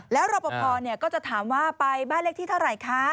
แล้วรอบพอร์เนี่ยก็จะถามว่าไปบ้านเลขที่เท่าไหร่คะ